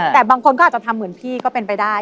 แต่บางคนก็อาจจะทำเหมือนพี่ก็เป็นไปได้